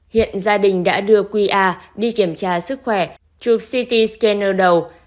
hiện gia đình đã đưa qr đi kiểm tra sức khỏe chụp ct scanner đầu